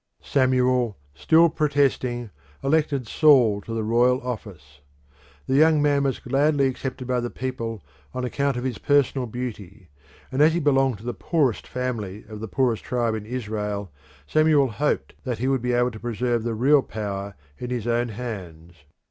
Samuel, still protesting, elected Saul to the royal office. The young man was gladly accepted by the people on account of his personal beauty, and as he belonged to the poorest family of the poorest tribe in Israel, Samuel hoped that he would be able to preserve the real power in his own hands.